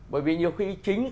bởi vì nhiều khi chính